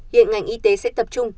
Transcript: hiện ngành y tế sẽ tập trung